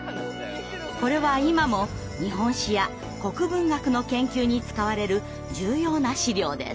これは今も日本史や国文学の研究に使われる重要な史料です。